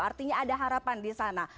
artinya ada harapan di sana